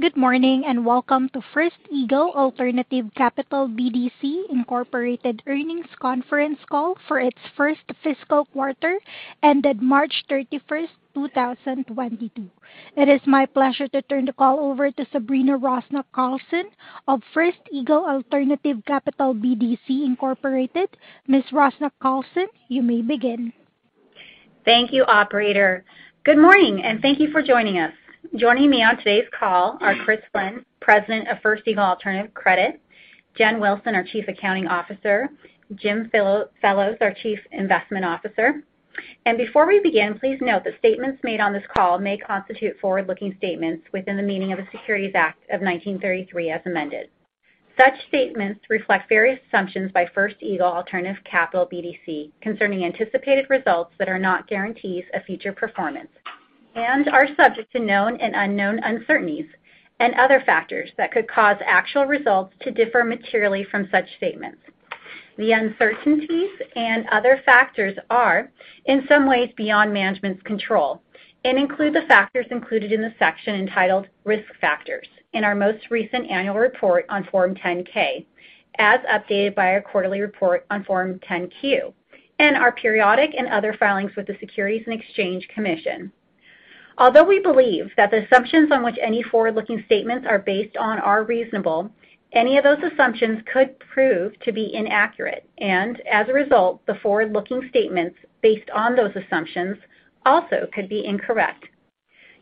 Good morning, and welcome to First Eagle Alternative Capital BDC Incorporated Earnings Conference Call for its Q1 ended March thirty-first, two thousand twenty-two. It is my pleasure to turn the call over to Sabrina Rusnak-Carlson of First Eagle Alternative Capital BDC Incorporated. Ms. Rusnak-Carlson, you may begin. Thank you, operator. Good morning, and thank you for joining us. Joining me on today's call are Chris Flynn, President of First Eagle Alternative Credit, Jen Wilson, our Chief Accounting Officer, Jim Fellows, our Chief Investment Officer. Before we begin, please note that statements made on this call may constitute forward-looking statements within the meaning of the Securities Act of 1933 as amended. Such statements reflect various assumptions by First Eagle Alternative Capital BDC concerning anticipated results that are not guarantees of future performance and are subject to known and unknown uncertainties and other factors that could cause actual results to differ materially from such statements. The uncertainties and other factors are in some ways beyond management's control and include the factors included in the section entitled Risk Factors in our most recent annual report on Form 10-K, as updated by our quarterly report on Form 10-Q, and our periodic and other filings with the Securities and Exchange Commission. Although we believe that the assumptions on which any forward-looking statements are based on are reasonable, any of those assumptions could prove to be inaccurate and, as a result, the forward-looking statements based on those assumptions also could be incorrect.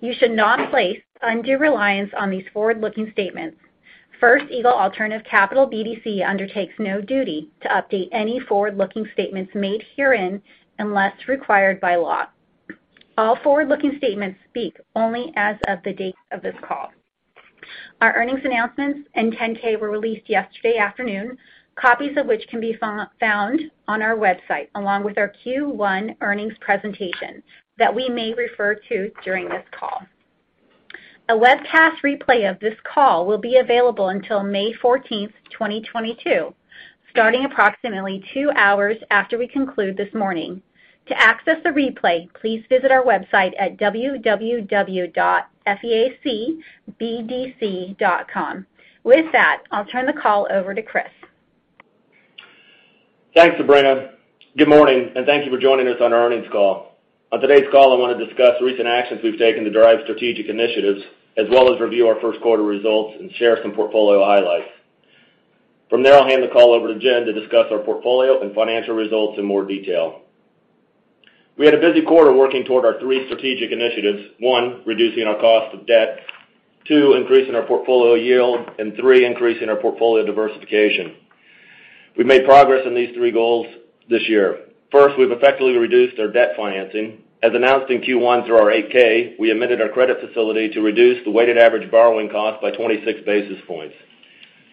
You should not place undue reliance on these forward-looking statements. First Eagle Alternative Capital BDC undertakes no duty to update any forward-looking statements made herein unless required by law. All forward-looking statements speak only as of the date of this call. Our earnings announcements and 10-K were released yesterday afternoon, copies of which can be found on our website, along with our Q1 earnings presentation that we may refer to during this call. A webcast replay of this call will be available until May 14, 2022, starting approximately 2 hours after we conclude this morning. To access the replay, please visit our website at www.feacbdc.com. With that, I'll turn the call over to Chris. Thanks, Sabrina. Good morning, and thank you for joining us on our earnings call. On today's call, I want to discuss recent actions we've taken to drive strategic initiatives as well as review our Q1 results and share some portfolio highlights. From there, I'll hand the call over to Jen to discuss our portfolio and financial results in more detail. We had a busy quarter working toward our three strategic initiatives. One, reducing our cost of debt. Two, increasing our portfolio yield. And three, increasing our portfolio diversification. We've made progress in these three goals this year. First, we've effectively reduced our debt financing. As announced in Q1 through our 8-K, we amended our credit facility to reduce the weighted average borrowing cost by 26 basis points.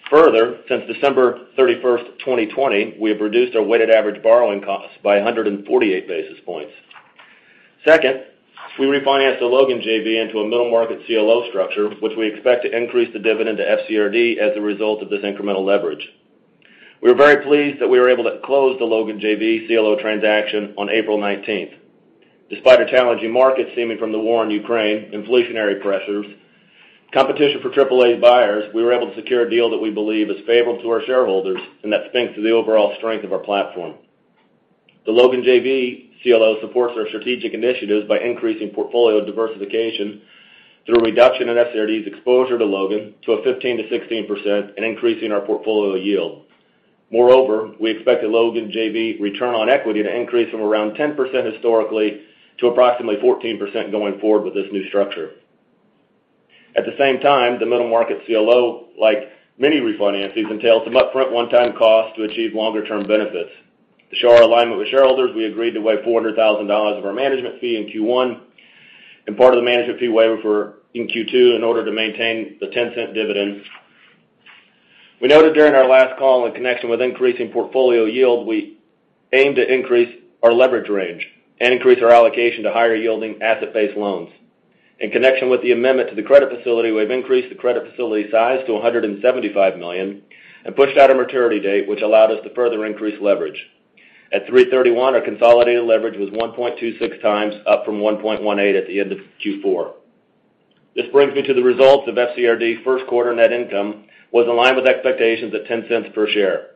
Further, since December 31, 2020, we have reduced our weighted average borrowing costs by 148 basis points. Second, we refinanced the Logan JV into a middle market CLO structure, which we expect to increase the dividend to FCRD as a result of this incremental leverage. We are very pleased that we were able to close the Logan JV CLO transaction on April nineteenth. Despite a challenging market stemming from the war in Ukraine, inflationary pressures, competition for AAA buyers, we were able to secure a deal that we believe is favorable to our shareholders and that speaks to the overall strength of our platform. The Logan JV CLO supports our strategic initiatives by increasing portfolio diversification through a reduction in FCRD's exposure to Logan to a 15%-16% and increasing our portfolio yield. Moreover, we expect a Logan JV return on equity to increase from around 10% historically to approximately 14% going forward with this new structure. At the same time, the middle market CLO, like many refinances, entails some upfront one-time costs to achieve longer-term benefits. To show our alignment with shareholders, we agreed to waive $400,000 of our management fee in Q1 and part of the management fee waiver in Q2 in order to maintain the $0.10 dividend. We noted during our last call in connection with increasing portfolio yield, we aim to increase our leverage range and increase our allocation to higher-yielding asset-based loans. In connection with the amendment to the credit facility, we've increased the credit facility size to $175 million and pushed out a maturity date which allowed us to further increase leverage. At 3/31, our consolidated leverage was 1.26 times, up from 1.18 at the end of Q4. This brings me to the results of FCRD's Q1 net income was in line with expectations at $0.10 per share.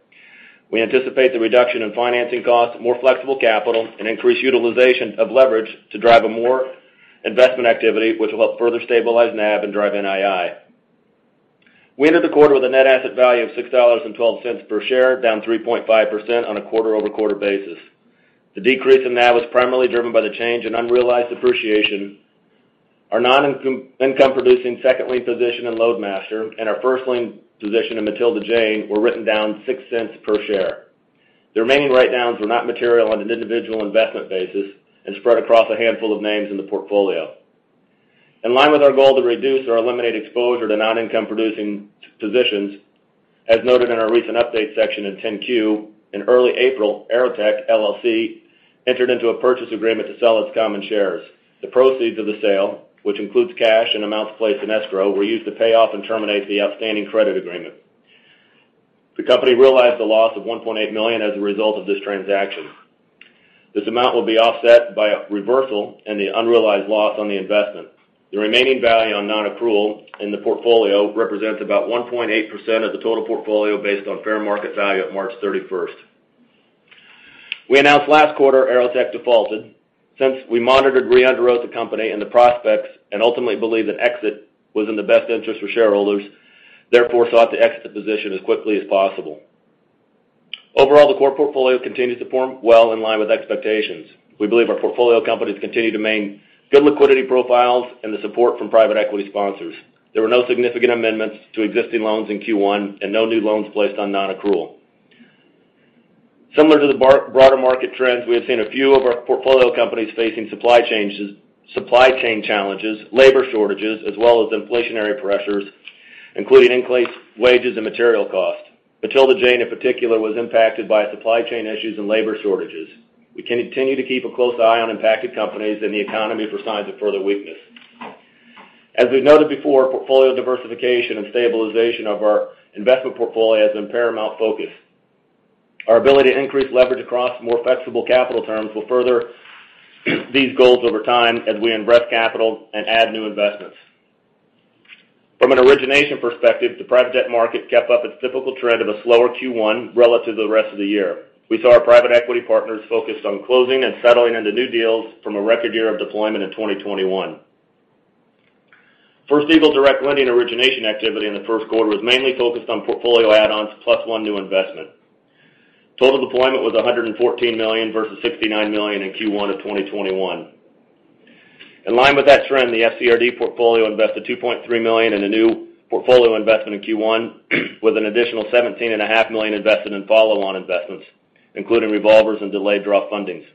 We anticipate the reduction in financing costs, more flexible capital, and increased utilization of leverage to drive more investment activity, which will help further stabilize NAV and drive NII. We entered the quarter with a net asset value of $6.12 per share, down 3.5% on a quarter-over-quarter basis. The decrease in NAV was primarily driven by the change in unrealized depreciation. Our non-accrual, income-producing second lien position in Loadmaster and our first lien position in Matilda Jane were written down $0.06 per share. The remaining write-downs were not material on an individual investment basis and spread across a handful of names in the portfolio. In line with our goal to reduce or eliminate exposure to non-income-producing positions, as noted in our recent update section in 10-Q, in early April, Aurotech, LLC entered into a purchase agreement to sell its common shares. The proceeds of the sale, which includes cash and amounts placed in escrow, were used to pay off and terminate the outstanding credit agreement. The company realized a loss of $1.8 million as a result of this transaction. This amount will be offset by a reversal and the unrealized loss on the investment. The remaining value on non-accrual in the portfolio represents about 1.8% of the total portfolio based on fair market value at March 31. We announced last quarter Aurotech defaulted. Since we monitored, reunderwrote the company and the prospects and ultimately believed that exit was in the best interest for shareholders, therefore, sought to exit the position as quickly as possible. Overall, the core portfolio continues to perform well in line with expectations. We believe our portfolio companies continue to maintain good liquidity profiles and the support from private equity sponsors. There were no significant amendments to existing loans in Q1 and no new loans placed on non-accrual. Similar to the broader market trends, we have seen a few of our portfolio companies facing supply chain challenges, labor shortages, as well as inflationary pressures, including increased wages and material costs. Matilda Jane, in particular, was impacted by supply chain issues and labor shortages. We continue to keep a close eye on impacted companies and the economy for signs of further weakness. As we've noted before, portfolio diversification and stabilization of our investment portfolio has been paramount focus. Our ability to increase leverage across more flexible capital terms will further these goals over time as we invest capital and add new investments. From an origination perspective, the private debt market kept up its typical trend of a slower Q1 relative to the rest of the year. We saw our private equity partners focused on closing and settling into new deals from a record-year of deployment in 2021. First Eagle direct lending origination activity in the Q1 was mainly focused on portfolio add-ons plus one new investment. Total deployment was $114 million versus $69 million in Q1 of 2021. In line with that trend, the FCRD portfolio invested $2.3 million in a new portfolio investment in Q1, with an additional $17.5 million invested in follow-on investments, including revolvers and delayed draw fundings.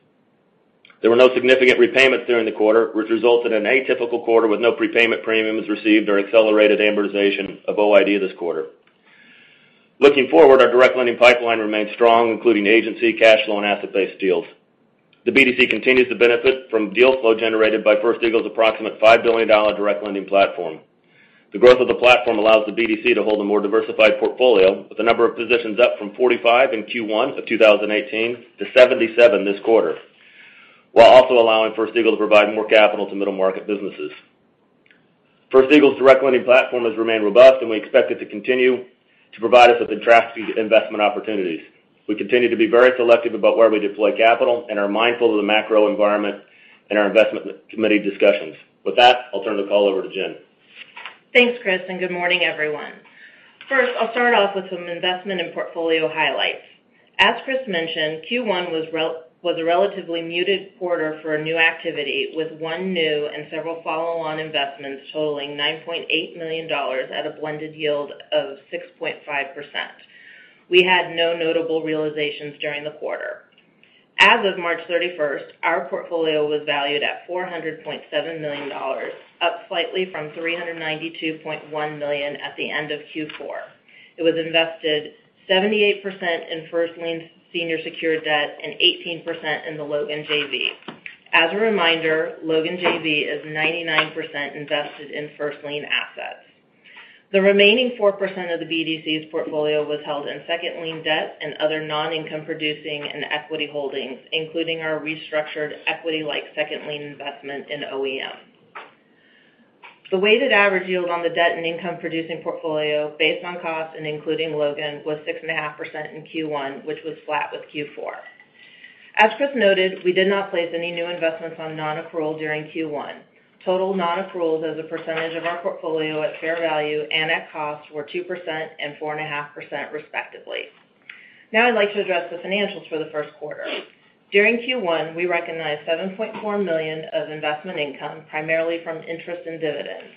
There were no significant repayments during the quarter, which resulted in a typical quarter with no prepayment premiums received or accelerated amortization of OID this quarter. Looking forward, our direct lending pipeline remains strong, including agency, cash loan, asset-based deals. The BDC continues to benefit from deal flow generated by First Eagle's approximate $5 billion direct lending platform. The growth of the platform allows the BDC to hold a more diversified portfolio with a number of positions up from 45 in Q1 of 2018 to 77 this quarter, while also allowing First Eagle to provide more capital to middle-market businesses. First Eagle's direct lending platform has remained robust, and we expect it to continue to provide us with attractive investment opportunities. We continue to be very selective about where we deploy capital and are mindful of the macro environment in our investment committee discussions. With that, I'll turn the call over to Jen. Thanks, Chris, and good morning, everyone. First, I'll start off with some investment and portfolio highlights. As Chris mentioned, Q1 was a relatively muted quarter for a new activity, with one new and several follow-on investments totaling $9.8 million at a blended yield of 6.5%. We had no notable realizations during the quarter. As of March thirty-first, our portfolio was valued at $400.7 million, up slightly from $392.1 million at the end of Q4. It was invested 78% in first lien senior secured debt and 18% in the Logan JV. As a reminder, Logan JV is 99% invested in first lien assets. The remaining 4% of the BDC's portfolio was held in second lien debt and other non-income producing and equity holdings, including our restructured equity-like second lien investment in OEM. The weighted average yield on the debt and income-producing portfolio based on cost and including Logan was 6.5% in Q1, which was flat with Q4. As Chris noted, we did not place any new investments on non-accrual during Q1. Total non-accruals as a percentage of our portfolio at fair value and at cost were 2% and 4.5% respectively. Now I'd like to address the financials for the Q1. During Q1, we recognized $7.4 million of investment income, primarily from interest and dividends.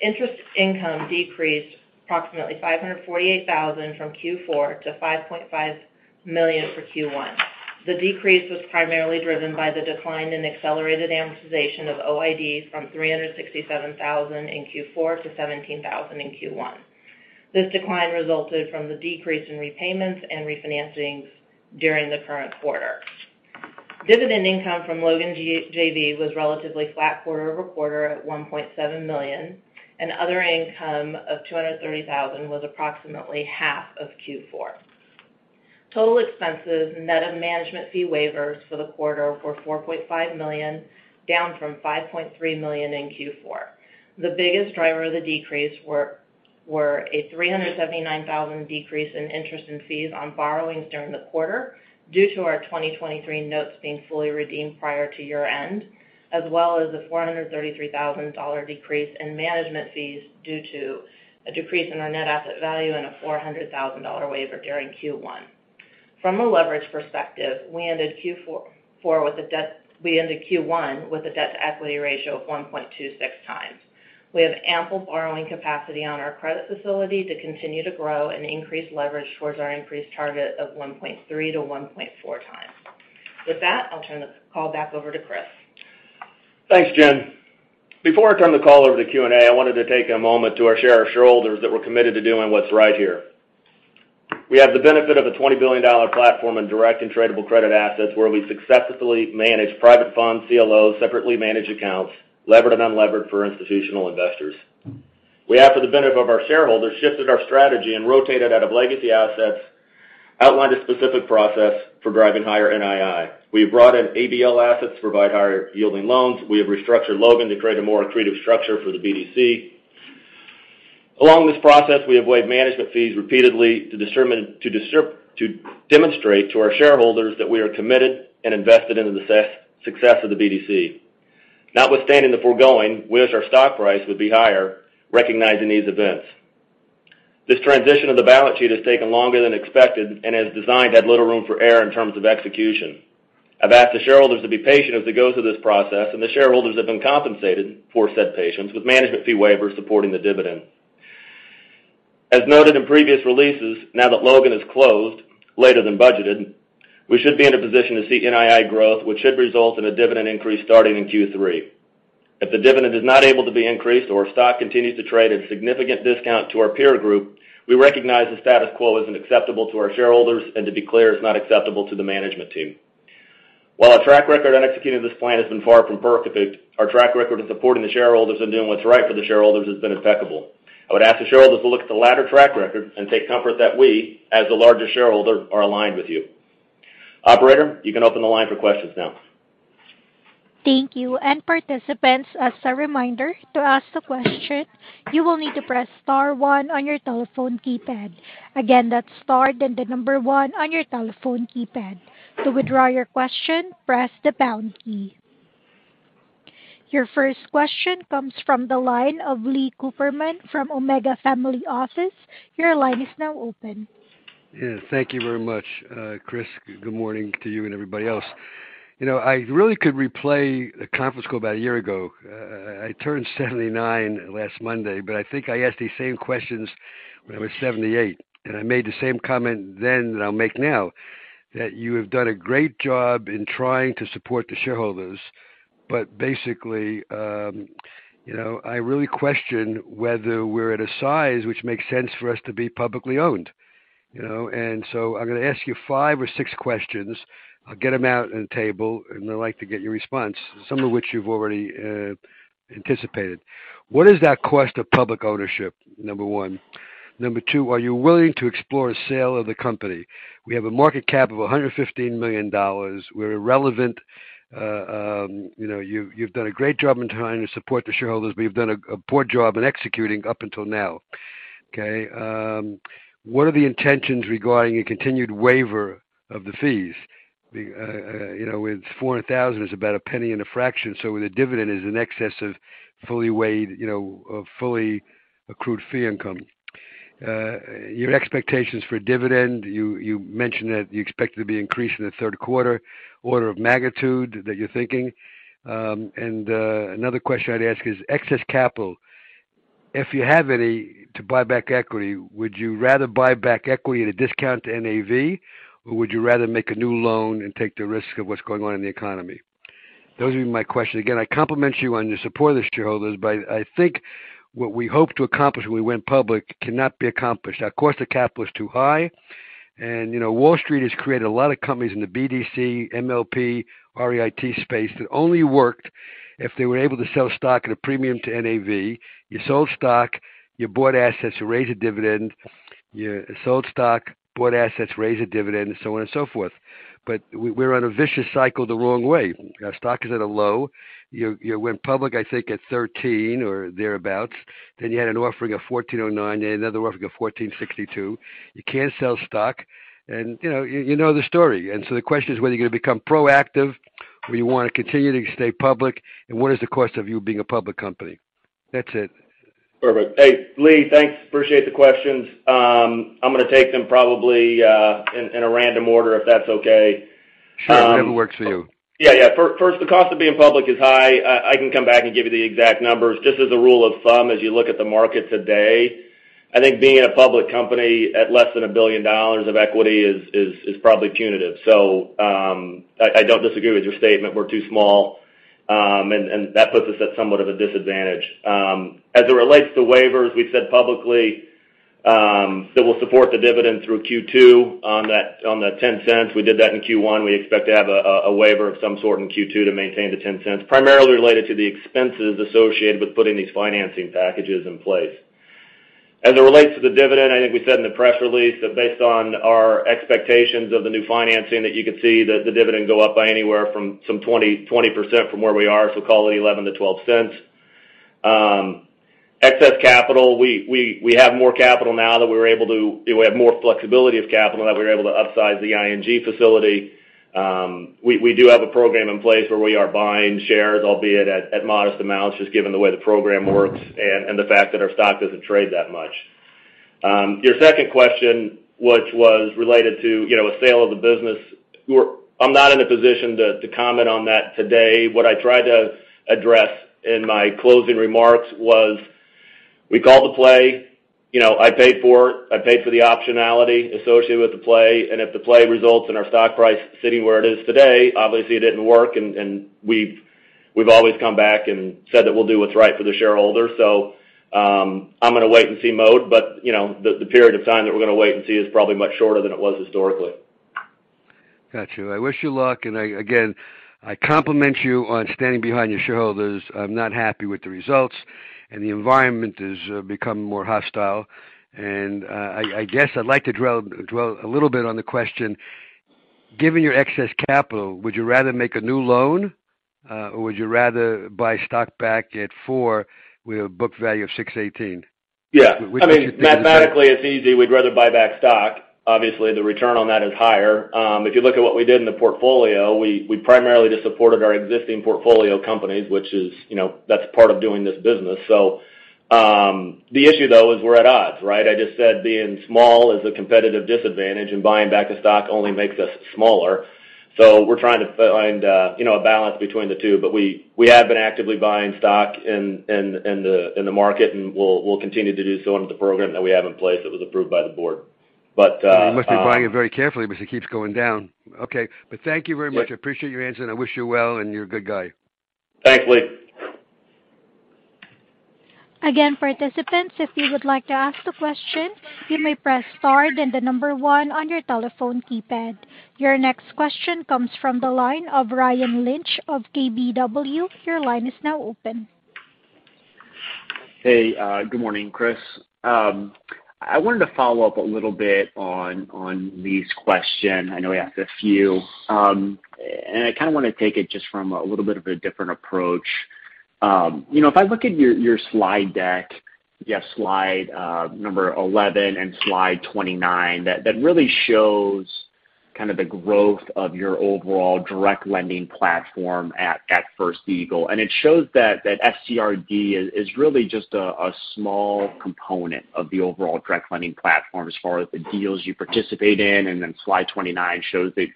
Interest income decreased approximately $548,000 from Q4 to $5.5 million for Q1. The decrease was primarily driven by the decline in accelerated amortization of OIDs from $367,000 in Q4 to $17,000 in Q1. This decline resulted from the decrease in repayments and refinancings during the current quarter. Dividend income from Logan JV was relatively flat quarter-over-quarter at $1.7 million, and other income of $230,000 was approximately half of Q4. Total expenses net of management fee waivers for the quarter were $4.5 million, down from $5.3 million in Q4. The biggest driver of the decrease were a $379,000 decrease in interest and fees on borrowings during the quarter due to our 2023 notes being fully redeemed prior to year-end, as well as a $433,000 decrease in management fees due to a decrease in our net asset value and a $400,000 waiver during Q1. From a leverage perspective, we ended Q1 with a debt-to-equity ratio of 1.26x. We have ample borrowing capacity on our credit facility to continue to grow and increase leverage towards our increased target of 1.3x-1.4x. With that, I'll turn the call back over to Chris. Thanks, Jen. Before I turn the call over to Q&A, I wanted to take a moment to assure our shareholders that we're committed to doing what's right here. We have the benefit of a $20 billion platform in direct and tradable credit assets where we successfully manage private funds, CLOs, separately managed accounts, levered and unlevered for institutional investors. We have, for the benefit of our shareholders, shifted our strategy and rotated out of legacy assets, outlined a specific process for driving higher-NII. We have brought in ABL assets to provide higher-yielding loans. We have restructured Logan to create a more accretive structure for the BDC. Along this process, we have waived management fees repeatedly to demonstrate to our shareholders that we are committed and invested in the success of the BDC. Notwithstanding the foregoing, we wish our stock price would be higher, recognizing these events. This transition of the balance sheet has taken longer than expected and as designed, had little room for error in terms of execution. I've asked the shareholders to be patient as we go through this process, and the shareholders have been compensated for said patience with management fee waivers supporting the dividend. As noted in previous releases, now that Logan is closed later than budgeted, we should be in a position to see NII growth, which should result in a dividend increase starting in Q3. If the dividend is not able to be increased or if stock continues to trade at a significant discount to our peer group, we recognize the status quo isn't acceptable to our shareholders and to be clear, is not acceptable to the management team. While our track record on executing this plan has been far from perfect, our track record of supporting the shareholders and doing what's right for the shareholders has been impeccable. I would ask the shareholders to look at the latter track record and take comfort that we, as the largest shareholder, are aligned with you. Operator, you can open the line for questions now. Thank you. Participants, as a reminder, to ask the question, you will need to press star one on your telephone keypad. Again, that's star, then the number one on your telephone keypad. To withdraw your question, press the pound key. Your first question comes from the line of Lee Cooperman from Omega Family Office. Your line is now open. Yeah, thank you very much, Chris. Good morning to you and everybody else. You know, I really could replay a Conference Call about a year ago. I turned 79 last Monday, but I think I asked these same questions when I was 78. I made the same comment then that I'll make now, that you have done a great job in trying to support the shareholders. Basically, you know, I really question whether we're at a size which makes sense for us to be publicly owned, you know? I'm gonna ask you 5 or 6 questions. I'll get them out on the table, and I'd like to get your response, some of which you've already anticipated. What is that cost of public ownership? Number one. Number two, are you willing to explore a sale of the company? We have a market cap of $115 million. We're irrelevant. You know, you've done a great job in trying to support the shareholders, but you've done a poor job in executing up until now. Okay, what are the intentions regarding a continued waiver of the fees? You know, with $400,000, it's about a penny and a fraction. So with a dividend is in excess of fully waived, you know, fully accrued fee income. Your expectations for dividend, you mentioned that you expect it to be increased in the Q3. Order of magnitude that you're thinking. Another question I'd ask is excess capital. If you have any to buy back equity, would you rather buy back equity at a discount to NAV or would you rather make a new loan and take the risk of what's going on in the economy? Those are my questions. Again, I compliment you on your support of the shareholders, but I think what we hoped to accomplish when we went public cannot be accomplished. Our cost of capital is too high. You know, Wall Street has created a lot of companies in the BDC, MLP, REIT space that only worked if they were able to sell stock at a premium to NAV. You sold stock, you bought assets to raise a dividend. You sold stock, bought assets, raised a dividend, so on and so forth. We're on a vicious cycle the wrong way. Our stock is at a low. You went public, I think at $13 or thereabout. Then you had an offering of $14.09. You had another offering of $14.62. You can't sell stock and you know, you know the story. The question is whether you're gonna become proactive or you wanna continue to stay public, and what is the cost of you being a public company? That's it. Perfect. Hey, Lee. Thanks. Appreciate the questions. I'm gonna take them probably in a random order, if that's okay. Sure. Whatever works for you. Yeah, yeah. First, the cost of being public is high. I can come back and give you the exact numbers. Just as a rule of thumb, as you look at the market today, I think being a public company at less than $1 billion of equity is probably punitive. I don't disagree with your statement. We're too small, and that puts us at somewhat of a disadvantage. As it relates to waivers, we've said publicly that we'll support the dividend through Q2 on that, on the $0.10. We did that in Q1. We expect to have a waiver of some sort in Q2 to maintain the $0.10, primarily related to the expenses associated with putting these financing packages in place. As it relates to the dividend, I think we said in the press release that based on our expectations of the new financing, that you could see that the dividend go up by anywhere from some 20-20% from where we are. Call it $0.11-$0.12. Excess capital. We have more flexibility of capital that we were able to upsize the ING facility. We do have a program in place where we are buying shares, albeit at modest amounts, just given the way the program works and the fact that our stock doesn't trade that much. Your second question, which was related to, you know, a sale of the business. I am not in a position to comment on that today. What I tried to address in my closing remarks was we called the play. You know, I paid for it. I paid for the optionality associated with the play. If the play results in our stock price sitting where it is today, obviously it didn't work. We've always come back and said that we'll do what's right for the shareholder. I'm gonna wait and see mode. You know, the period of time that we're gonna wait and see is probably much shorter than it was historically. Got you. I wish you luck, and I, again, I compliment you on standing behind your shareholders. I'm not happy with the results and the environment is become more hostile. I guess I'd like to dwell a little bit on the question. Given your excess capital, would you rather make a new loan, or would you rather buy stock back at $4 with a book value of $6.18? Yeah. Which would you think is the- I mean, mathematically, it's easy. We'd rather buy back stock. Obviously, the return on that is higher. If you look at what we did in the portfolio, we primarily just supported our existing portfolio companies, which is, you know, that's part of doing this business. The issue, though, is we're at odds, right? I just said being small is a competitive disadvantage, and buying back the stock only makes us smaller. We're trying to find, you know, a balance between the two. We have been actively buying stock in the market, and we'll continue to do so under the program that we have in place that was approved by the board. You must be buying it very carefully because it keeps going down. Okay. Thank you very much. Yeah. I appreciate your answer, and I wish you well, and you're a good guy. Thanks, Lee. Again, participants, if you would like to ask a question, you may press star then the number one on your telephone keypad. Your next question comes from the line of Ryan Lynch of KBW. Your line is now open. Hey, good morning, Chris. I wanted to follow-up a little bit on Lee's question. I know he asked a few. I kinda wanna take it just from a little bit of a different approach. You know, if I look at your slide deck, you have slide number 11 and slide 29, that really shows kind of the growth of your overall direct lending platform at First Eagle. It shows that FCRD is really just a small component of the overall direct lending platform as far as the deals you participate in. Slide 29 shows that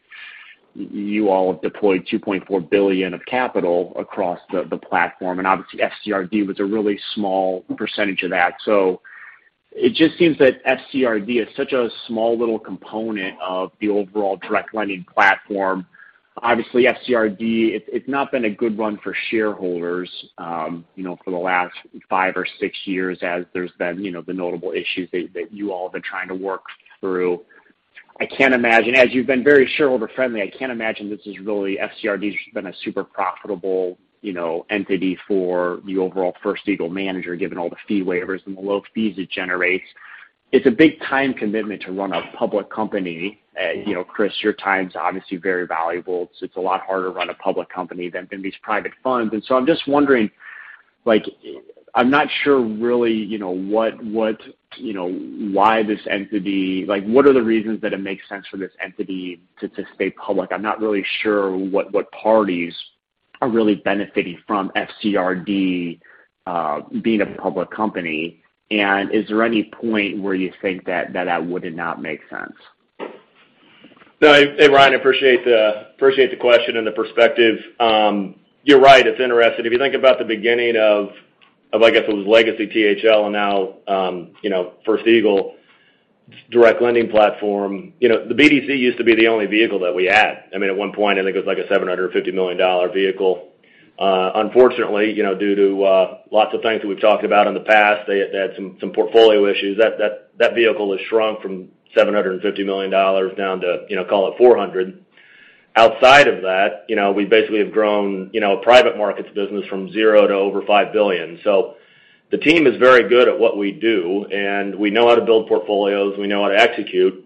you all have deployed $2.4 billion of capital across the platform, and obviously FCRD was a really small percentage of that. It just seems that FCRD is such a small little component of the overall direct lending platform. Obviously, FCRD, it's not been a good run for shareholders, you know, for the last five or six years as there's been, you know, the notable issues that you all have been trying to work through. As you've been very shareholder-friendly, I can't imagine this is really FCRD has been a super profitable, you know, entity for the overall First Eagle manager, given all the fee waivers and the low fees it generates. It's a big time commitment to run a public company. You know, Chris, your time's obviously very valuable. It's a lot harder to run a public company than in these private funds. I'm just wondering, like, I'm not sure really, you know, what you know why this entity, like, what are the reasons that it makes sense for this entity to stay public? I'm not really sure what parties are really benefiting from FCRD being a public company. Is there any point where you think that would not make sense? No. Hey, Ryan, appreciate the question and the perspective. You're right. It's interesting. If you think about the beginning of, I guess it was legacy THL and now, you know, First Eagle direct lending platform, you know, the BDC used to be the only vehicle that we had. I mean, at one point, I think it was like a $750 million vehicle. Unfortunately, you know, due to lots of things that we've talked about in the past, they had some portfolio issues, that vehicle has shrunk from $750 million down to, you know, call it $400 million. Outside of that, you know, we basically have grown, you know, private markets business from zero to over $5 billion. The team is very good at what we do, and we know how to build portfolios, we know how to execute.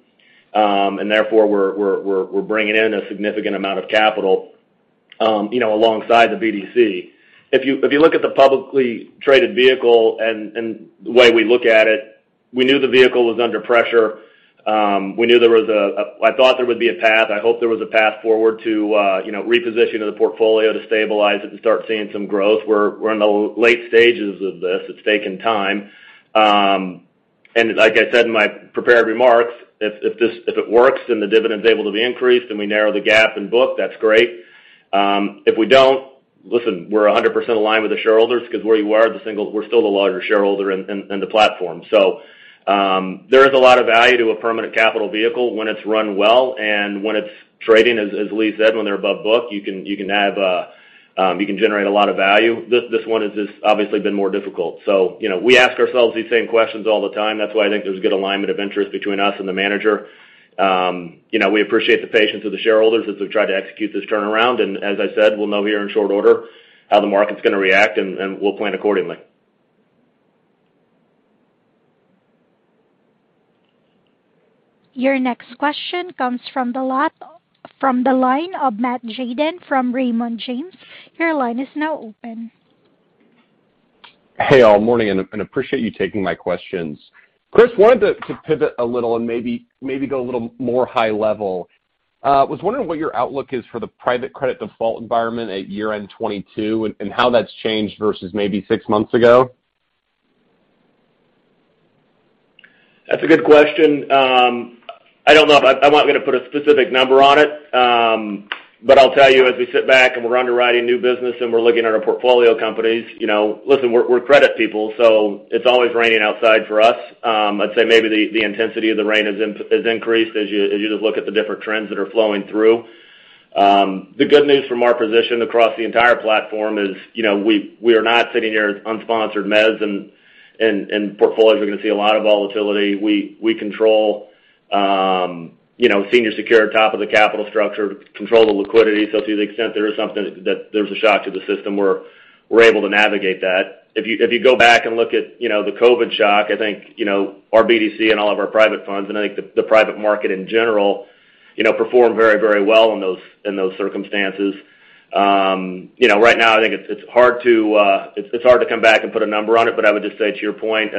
Therefore, we're bringing in a significant amount of capital, you know, alongside the BDC. If you look at the publicly traded vehicle and the way we look at it, we knew the vehicle was under pressure. We knew there was a path. I thought there would be a path. I hope there was a path forward to, you know, reposition of the portfolio to stabilize it and start seeing some growth. We're in the late stages of this. It's taking time. Like I said in my prepared remarks, if this, if it works, then the dividend's able to be increased, then we narrow the gap in book, that's great. We're 100% aligned with the shareholders 'cause we're still the largest shareholder in the platform. There is a lot of value to a permanent capital vehicle when it's run well and when it's trading, as Lee said, when they're above book. You can generate a lot of value. This one has just obviously been more difficult. You know, we ask ourselves these same questions all the time. That's why I think there's a good alignment of interest between us and the manager. You know, we appreciate the patience of the shareholders as we've tried to execute this turnaround, and as I said, we'll know here in short-order how the market's gonna react and we'll plan accordingly. Your next question comes from the line of Matt Tjaden from Raymond James. Your line is now open. Hey, all. Morning, and appreciate you taking my questions. Chris, wanted to pivot a little and maybe go a little more high-level. Was wondering what your outlook is for the private credit default environment at year-end 2022 and how that's changed versus maybe six months ago. That's a good question. I don't know. I'm not gonna put a specific number on it. I'll tell you, as we sit back and we're underwriting new business and we're looking at our portfolio companies, you know, listen, we're credit people, so it's always raining outside for us. I'd say maybe the intensity of the rain has increased as you just look at the different trends that are flowing-through. The good news from our position across the entire platform is, you know, we are not sitting here unsponsored mezz and portfolios are gonna see a lot of volatility. We control, you know, senior secured top of the capital structure to control the liquidity. To the extent there is something that there's a shock to the system, we're able to navigate that. If you go back and look at, you know, the COVID shock, I think, you know, our BDC and all of our private funds, and I think the private market in general, you know, performed very, very well in those circumstances. You know, right now, I think it's hard to come back and put a number on it, but I would just say to your point,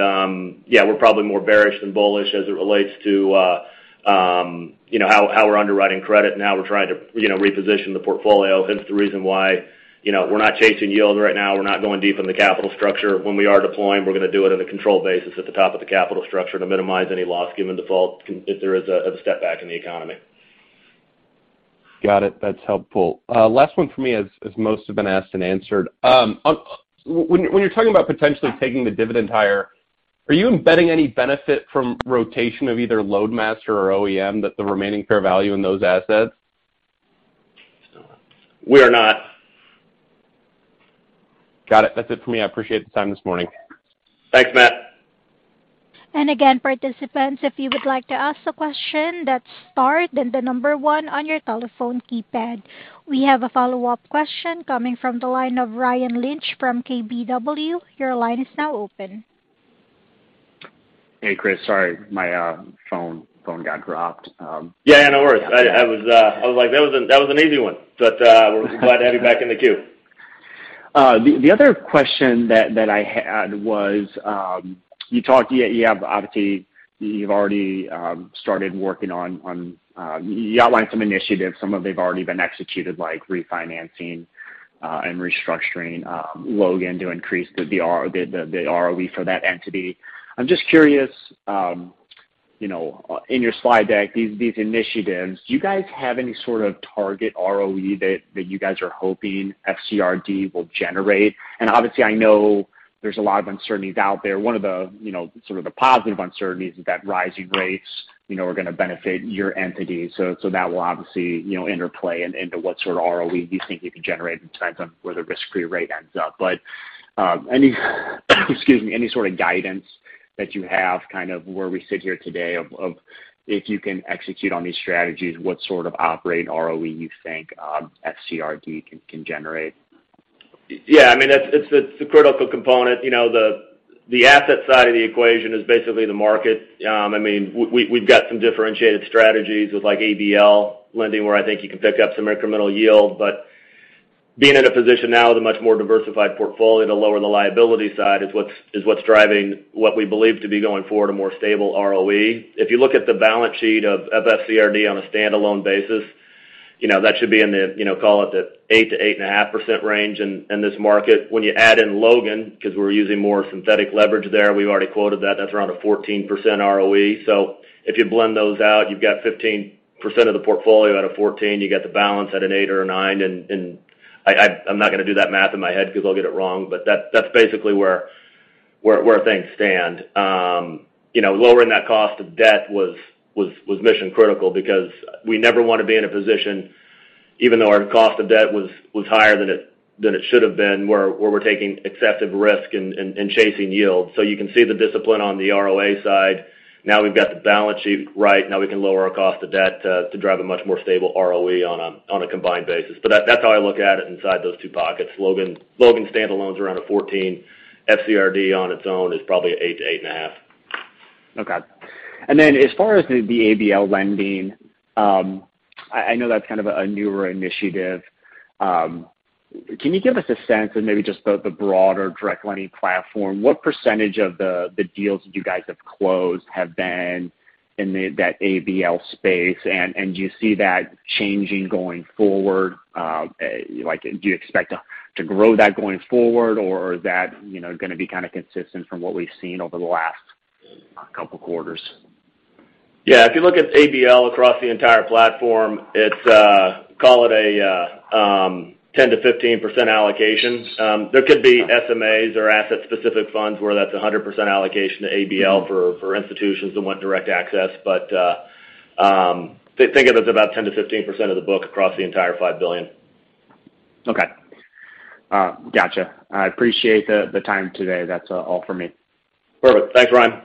yeah, we're probably more bearish than bullish as it relates to, you know, how we're underwriting credit. Now we're trying to, you know, reposition the portfolio, hence the reason why, you know, we're not chasing yield right now. We're not going deep in the capital structure. When we are deploying, we're gonna do it on a control basis at the top of the capital structure to minimize any loss given default if there is a step back in the economy. Got it. That's helpful. Last one for me as most have been asked and answered. When you're talking about potentially taking the dividend higher, are you embedding any benefit from rotation of either Loadmaster or OEM that the remaining fair value in those assets? We are not. Got it. That's it for me. I appreciate the time this morning. Thanks, Matt. Again, participants, if you would like to ask a question, that's star then the number 1 on your telephone keypad. We have a follow-up question coming from the line of Ryan Lynch from KBW. Your line is now open. Hey, Chris. Sorry, my phone got dropped. Yeah, no worries. I was like, that was an easy one. We're glad to have you back in the queue. The other question that I had was, you have obviously already started working on. You outlined some initiatives. Some of them have already been executed like refinancing and restructuring Logan to increase the ROE for that entity. I'm just curious, you know, in your slide deck, these initiatives, do you guys have any sort of target ROE that you guys are hoping FCRD will generate? Obviously, I know there's a lot of uncertainties out there. One of the, you know, sort of the positive uncertainties is that rising rates, you know, are gonna benefit your entities. So that will obviously, you know, interplay into what sort of ROE you think you can generate depends on where the risk-free rate ends up. Any sort of guidance that you have kind of where we sit here today of if you can execute on these strategies, what sort of operating ROE you think FCRD can generate? Yeah, I mean, that's, it's a critical component. You know, the asset side of the equation is basically the market. I mean, we've got some differentiated strategies with like ABL lending, where I think you can pick up some incremental yield. Being in a position now with a much more diversified portfolio to lower the liability side is what's driving what we believe to be going forward a more stable ROE. If you look at the balance sheet of FCRD on a standalone basis, you know, that should be in the, call it the 8%-8.5% range in this market. When you add in Logan, 'cause we're using more synthetic leverage there, we've already quoted that's around a 14% ROE. If you blend those out, you've got 15% of the portfolio out of 14. You got the balance at an 8 or a 9. I'm not gonna do that math in my head because I'll get it wrong, but that's basically where things stand. You know, lowering that cost of debt was mission-critical because we never wanna be in a position, even though our cost of debt was higher than it should have been, where we're taking excessive risk and chasing yield. You can see the discipline on the ROA side. Now we've got the balance sheet right. Now we can lower our cost of debt to drive a much more stable ROE on a combined basis. But that's how I look at it inside those two pockets. Logan standalone is around 14%. FCRD on its own is probably 8%-8.5%. Okay. As far as the ABL lending, I know that's kind of a newer initiative. Can you give us a sense of maybe just the broader direct lending platform? What percentage of the deals that you guys have closed have been in that ABL space? And do you see that changing going forward? Like do you expect to grow that going forward, or is that, you know, gonna be kinda consistent from what we've seen over the last couple quarters? Yeah. If you look at ABL across the entire platform, it's call it a 10%-15% allocation. There could be SMAs or asset-specific funds where that's a 100% allocation to ABL for institutions that want direct access. Think of it as about 10%-15% of the book across the entire $5 billion. Okay. Gotcha. I appreciate the time today. That's all for me. Perfect. Thanks, Ryan.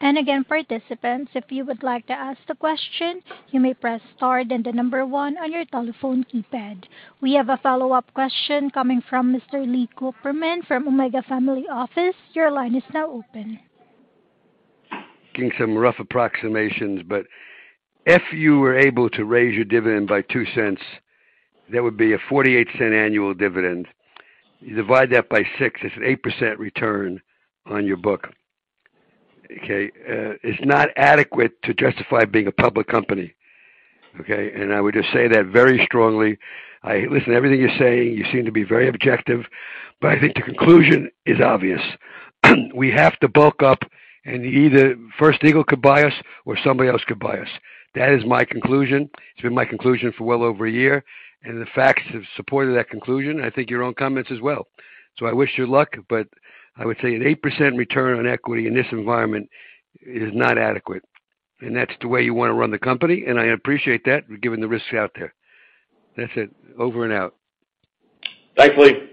Again, participants, if you would like to ask a question, you may press star then the number one on your telephone keypad. We have a follow-up question coming from Mr. Lee Cooperman from Omega Family Office. Your line is now open. Getting some rough approximations, but if you were able to raise your dividend by $0.02, that would be a $0.48 annual dividend. You divide that by 6, it's an 8% return on your book. Okay, it's not adequate to justify being a public company. Okay. I would just say that very strongly. I listen to everything you're saying, you seem to be very objective, but I think the conclusion is obvious. We have to bulk up and either First Eagle could buy us or somebody else could buy us. That is my conclusion. It's been my conclusion for well over a year, and the facts have supported that conclusion, and I think your own comments as well. I wish you luck, but I would say an 8% return on equity in this environment is not adequate. That's the way you wanna run the company, and I appreciate that, given the risks out there. That's it. Over and out. Thanks, Lee.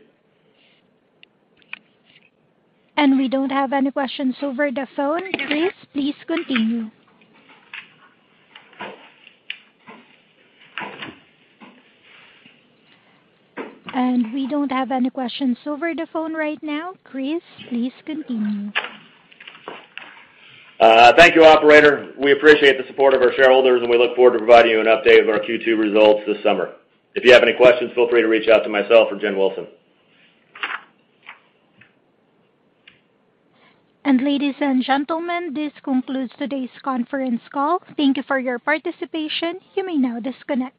We don't have any questions over the phone right now. Chris, please continue. Thank you, operator. We appreciate the support of our shareholders, and we look forward to providing you an update of our Q2 results this summer. If you have any questions, feel free to reach out to myself or Jen Wilson. Ladies and gentlemen, this concludes today's Conference Call. Thank you for your participation. You may now disconnect.